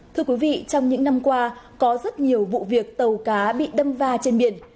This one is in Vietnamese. thưa quý vị trong những năm qua có rất nhiều vụ việc tàu cá bị đâm va trên biển